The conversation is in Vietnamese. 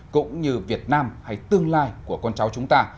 cũng như việt nam hay tương lai của con cháu chúng ta